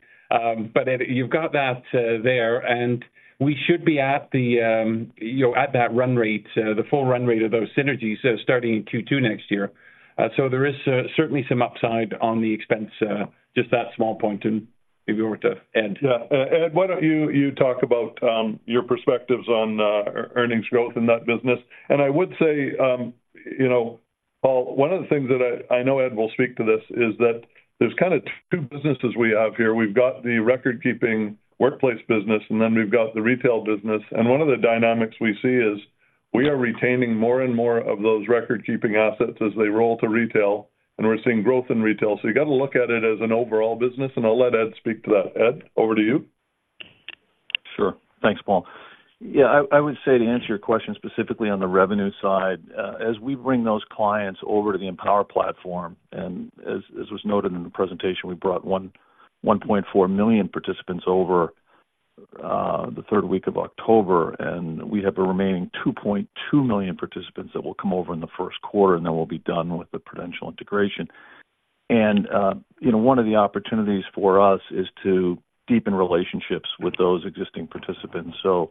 But, Ed, you've got that there, and we should be at the, you know, at that run rate, the full run rate of those synergies, starting in Q2 next year. So there is certainly some upside on the expense, just that small point, and maybe over to Ed. Yeah, Ed, why don't you talk about your perspectives on earnings growth in that business? And I would say, you know, Paul, one of the things that I know Ed will speak to this, is that there's kind of two businesses we have here. We've got the record-keeping workplace business, and then we've got the retail business. And one of the dynamics we see is we are retaining more and more of those record-keeping assets as they roll to retail, and we're seeing growth in retail. So you've got to look at it as an overall business, and I'll let Ed speak to that. Ed, over to you. Sure. Thanks, Paul. Yeah, I would say, to answer your question specifically on the revenue side, as we bring those clients over to the Empower platform, and as was noted in the presentation, we brought 1.4 million participants over the third week of October, and we have a remaining 2.2 million participants that will come over in the first quarter, and then we'll be done with the Prudential integration. And, you know, one of the opportunities for us is to deepen relationships with those existing participants. So,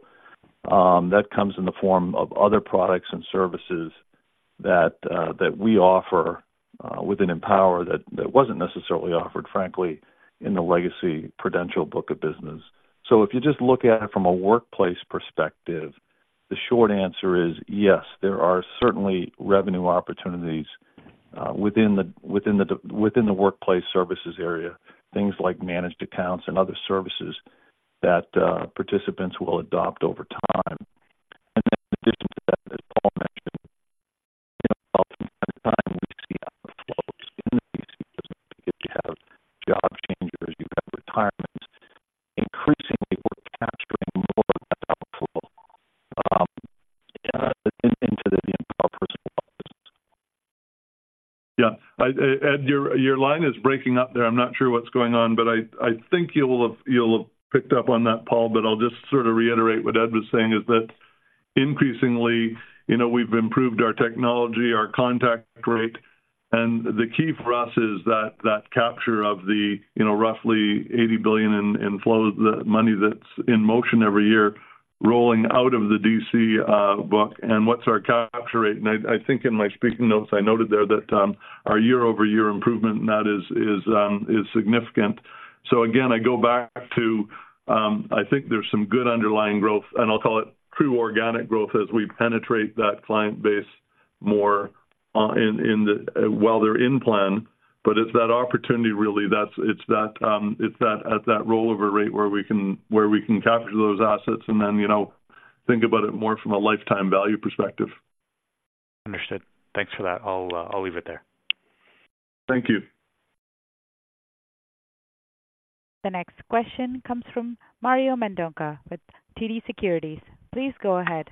that comes in the form of other products and services that we offer within Empower that wasn't necessarily offered, frankly, in the legacy Prudential book of business. If you just look at it from a workplace perspective, the short answer is yes, there are certainly revenue opportunities within the workplace services area, things like managed accounts and other services that participants will adopt over time. And then in addition to that, as Paul mentioned, you know, often, at times, we see outflows in the DC business because you have job changers, you've got retirements. Increasingly, we're capturing more of that outflow into the Empower personal business. Yeah. I, Ed, your line is breaking up there. I'm not sure what's going on, but I think you'll have picked up on that, Paul, but I'll just sort of reiterate what Ed was saying, that increasingly, you know, we've improved our technology, our contact rate. And the key for us is that capture of the, you know, roughly 80 billion in flow, the money that's in motion every year, rolling out of the DC book and what's our capture rate. And I think in my speaking notes, I noted there that our year-over-year improvement in that is significant. So again, I go back to, I think there's some good underlying growth, and I'll call it true organic growth as we penetrate that client base more, in the... while they're in plan. It's that opportunity really, that's it, at that rollover rate, where we can capture those assets and then, you know, think about it more from a lifetime value perspective. Understood. Thanks for that. I'll leave it there. Thank you. The next question comes from Mario Mendonca with TD Securities. Please go ahead.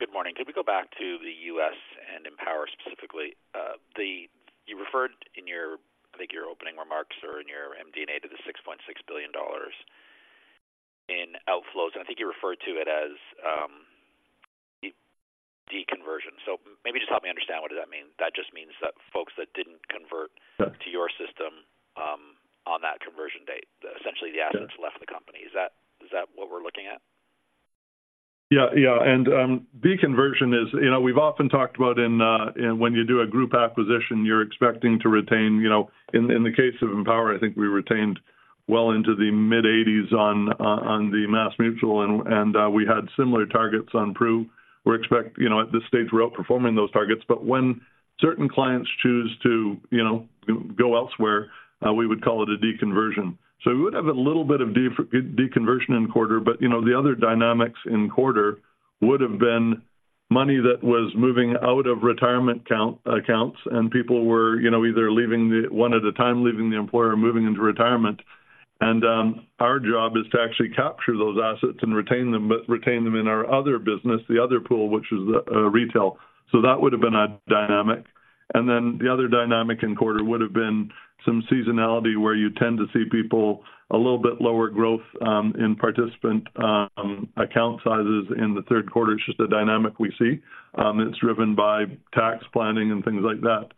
Good morning. Can we go back to the U.S. and Empower specifically? The... You referred in your, I think, your opening remarks or in your MD&A to the $6.6 billion in outflows, and I think you referred to it as deconversion. So maybe just help me understand, what does that mean? That just means that folks that didn't convert- Yes -to your system, on that conversion date, essentially the assets- Yeah -left the company. Is that, is that what we're looking at? Yeah, the and deconversion is... You know, we've often talked about in when you do a group acquisition, you're expecting to retain, you know, in the case of Empower, I think we retained well into the mid-eighties on the MassMutual, and we had similar targets on Pru. We expect, you know, at this stage, we're outperforming those targets, but when certain clients choose to, you know, go elsewhere, we would call it a deconversion. So we would have a little bit of deconversion in quarter, but, you know, the other dynamics in quarter would have been money that was moving out of retirement accounts, and people were, you know, either leaving one at a time, leaving the employer, moving into retirement. Our job is to actually capture those assets and retain them, but retain them in our other business, the other pool, which is, retail. So that would have been a dynamic. And then the other dynamic in quarter would have been some seasonality, where you tend to see people a little bit lower growth in participant account sizes in the third quarter. It's just a dynamic we see. It's driven by tax planning and things like that.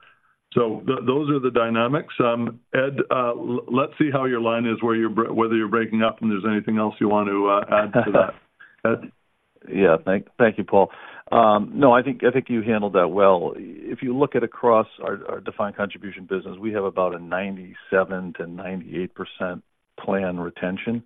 So those are the dynamics. Ed, let's see how your line is, whether you're breaking up and there's anything else you want to add to that. Ed? Yeah. Thank you, Paul. No, I think you handled that well. If you look across our defined contribution business, we have about a 97%-98% plan retention.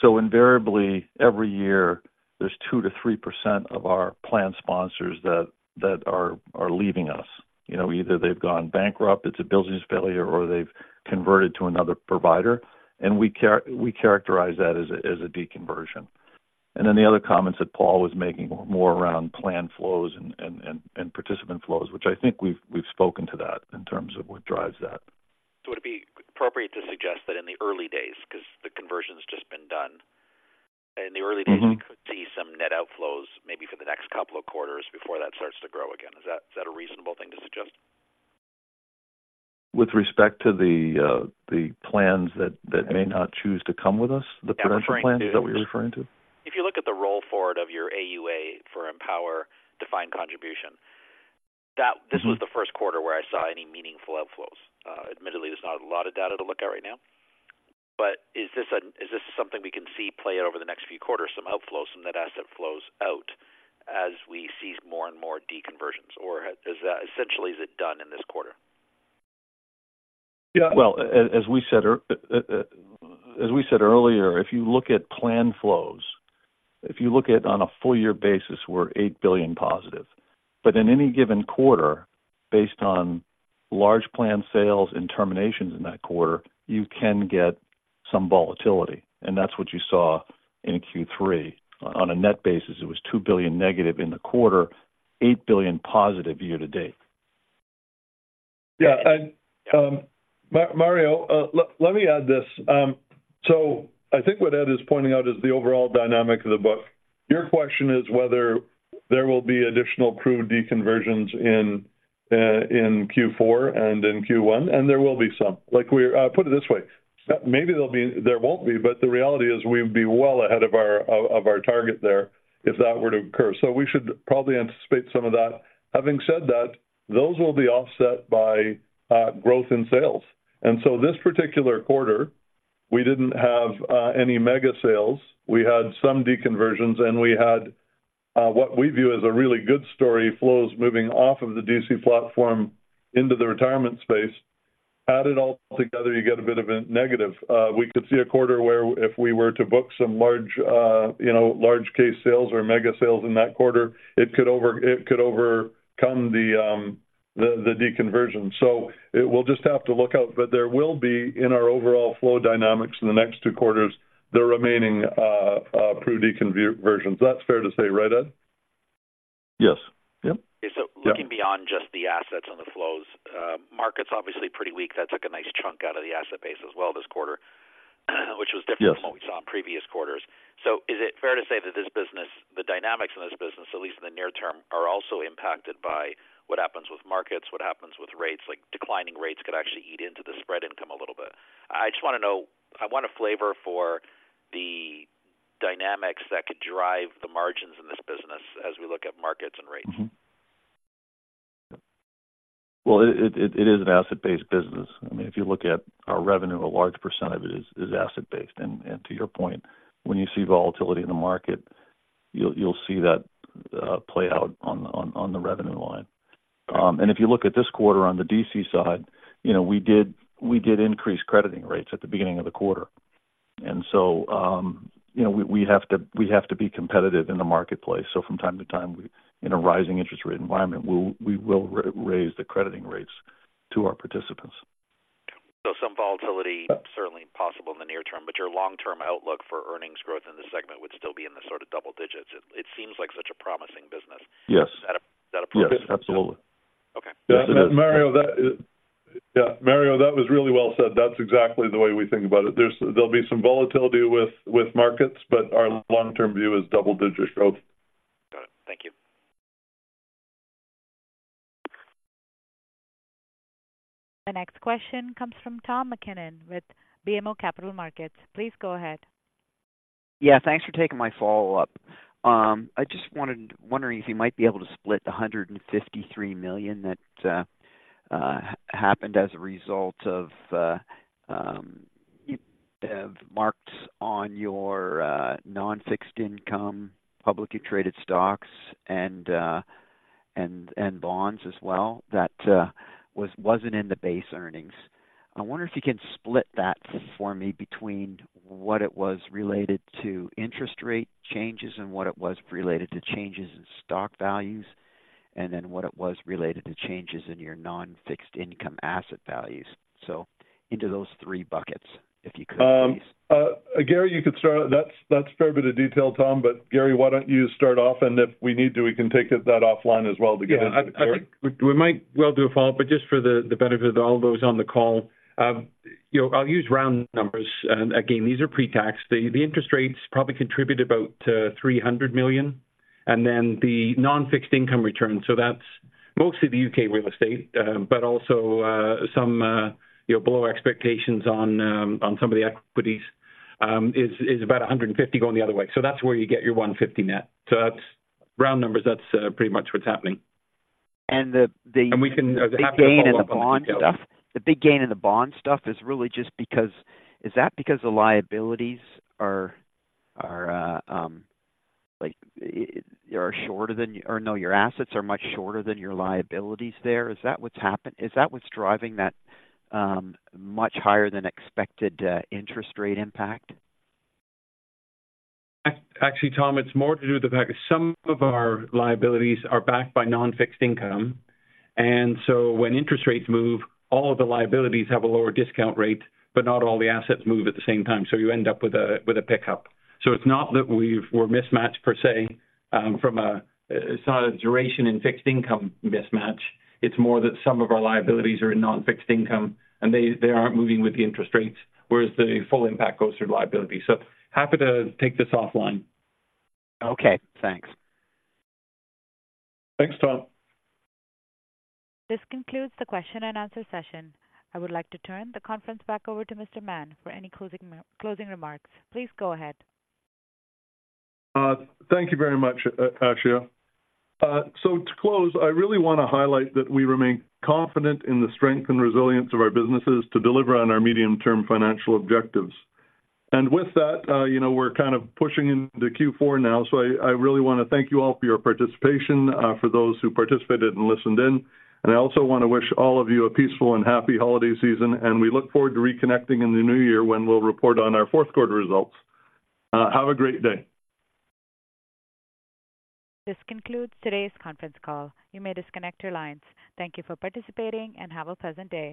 So invariably, every year, there's 2%-3% of our plan sponsors that are leaving us. You know, either they've gone bankrupt, it's a business failure, or they've converted to another provider, and we characterize that as a deconversion. And then the other comments that Paul was making, more around plan flows and participant flows, which I think we've spoken to that in terms of what drives that. Would it be appropriate to suggest that in the early days, 'cause the conversion's just been done— Mm-hmm. You could see some net outflows, maybe for the next couple of quarters before that starts to grow again. Is that, is that a reasonable thing to suggest? With respect to the plans that may not choose to come with us, the potential plans, is that what you're referring to? If you look at the roll forward of your AUA for Empower Defined Contribution, that- Mm-hmm. This was the first quarter where I saw any meaningful outflows. Admittedly, there's not a lot of data to look at right now, but is this a, is this something we can see play out over the next few quarters, some outflows from that asset flows out as we see more and more deconversions, or has, is that, essentially, is it done in this quarter? Yeah, well, as we said earlier, if you look at plan flows, if you look at on a full year basis, we're 8 billion positive. But in any given quarter, based on large plan sales and terminations in that quarter, you can get some volatility, and that's what you saw in Q3. On a net basis, it was 2 billion negative in the quarter, 8 billion positive year to date. Yeah, and, Mario, let me add this. So I think what Ed is pointing out is the overall dynamic of the book. Your question is whether there will be additional approved deconversions in Q4 and in Q1, and there will be some. Like, we're... Put it this way, maybe there'll be, there won't be, but the reality is we'll be well ahead of our target there if that were to occur. So we should probably anticipate some of that. Having said that, those will be offset by growth in sales. And so this particular quarter, we didn't have any mega sales. We had some deconversions, and we had what we view as a really good story, flows moving off of the DC platform into the retirement space. Add it all together, you get a bit of a negative. We could see a quarter where if we were to book some large, you know, large case sales or mega sales in that quarter, it could overcome the deconversion. So, we'll just have to look out, but there will be, in our overall flow dynamics in the next two quarters, the remaining approved deconversions. That's fair to say, right, Ed? Yes. Yep. And so- Yeah. Looking beyond just the assets and the flows, market's obviously pretty weak. That took a nice chunk out of the asset base as well this quarter, which was different- Yes... from what we saw in previous quarters. So is it fair to say that this business, the dynamics in this business, at least in the near term, are also impacted by what happens with markets, what happens with rates? Like, declining rates could actually eat into the spread income a little bit. I just wanna know, I want a flavor for the dynamics that could drive the margins in this business as we look at markets and rates. Mm-hmm. Well, it is an asset-based business. I mean, if you look at our revenue, a large % of it is asset based. And to your point, when you see volatility in the market, you'll see that play out on the revenue line. And if you look at this quarter on the DC side, you know, we did increase crediting rates at the beginning of the quarter. And so, you know, we have to be competitive in the marketplace. So from time to time, we in a rising interest rate environment, we will raise the crediting rates to our participants. Some volatility certainly possible in the near term, but your long-term outlook for earnings growth in the segment would still be in the sort of double digits. It seems like such a promising business. Yes. Is that appropriate? Yes, absolutely. Okay. Yes, it is. Mario, that, yeah, Mario, that was really well said. That's exactly the way we think about it. There'll be some volatility with markets, but our long-term view is double-digit growth. Got it. Thank you. The next question comes from Tom MacKinnon with BMO Capital Markets. Please go ahead. Yeah, thanks for taking my follow-up. I just wanted wondering if you might be able to split the 153 million that happened as a result of you have marked on your non-fixed income, publicly traded stocks and bonds as well, that wasn't in the base earnings. I wonder if you can split that for me between what it was related to interest rate changes and what it was related to changes in stock values, and then what it was related to changes in your non-fixed income asset values. So into those three buckets, if you could, please. Garry, you could start. That's a fair bit of detail, Tom, but Garry, why don't you start off, and if we need to, we can take that offline as well to get- Yeah, I think we might well do a follow-up, but just for the benefit of all those on the call, you know, I'll use round numbers. And again, these are pre-tax. The interest rates probably contribute about 300 million, and then the non-fixed income return, so that's mostly the U.K. real estate, but also some below expectations on on some of the equities, is about 150 million going the other way. So that's where you get your 150 net. So that's round numbers, that's pretty much what's happening. And the We can have a follow-up on the details. The big gain in the bond stuff, the big gain in the bond stuff is really just because... Is that because the liabilities are like shorter than, or no, your assets are much shorter than your liabilities there? Is that what's happened? Is that what's driving that much higher than expected interest rate impact? Actually, Tom, it's more to do with the fact that some of our liabilities are backed by non-fixed income, and so when interest rates move, all of the liabilities have a lower discount rate, but not all the assets move at the same time, so you end up with a pickup. So it's not that we're mismatched, per se, from a, it's not a duration and fixed income mismatch. It's more that some of our liabilities are in non-fixed income, and they aren't moving with the interest rates, whereas the full impact goes through liability. So happy to take this offline. Okay, thanks. Thanks, Tom. This concludes the question and answer session. I would like to turn the conference back over to Mr. Mahon for any closing remarks. Please go ahead. Thank you very much, Asia. So to close, I really want to highlight that we remain confident in the strength and resilience of our businesses to deliver on our medium-term financial objectives. And with that, you know, we're kind of pushing into Q4 now, so I really wanna thank you all for your participation, for those who participated and listened in. And I also want to wish all of you a peaceful and happy holiday season, and we look forward to reconnecting in the new year when we'll report on our fourth quarter results. Have a great day. This concludes today's conference call. You may disconnect your lines. Thank you for participating, and have a pleasant day.